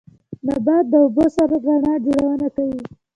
نبات د اوبو سره رڼا جوړونه کوي